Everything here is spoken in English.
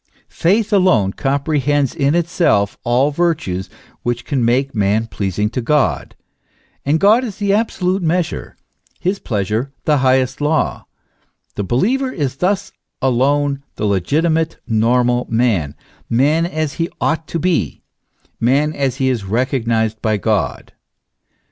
Faith alone comprehends in itself all virtues which can make man pleasing to God ; and God is the absolute measure, his pleasure the highest law : the believer is thus alone the legitimate, normal man, man as he ought to be, man as he is recognised by God.